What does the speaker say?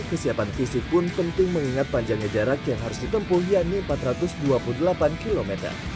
kesiapan fisik pun penting mengingat panjangnya jarak yang harus ditempuh yakni empat ratus dua puluh delapan km